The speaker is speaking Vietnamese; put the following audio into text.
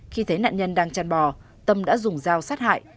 khi thấy nạn nhân đang chăn bò tâm đã dùng dao sát hại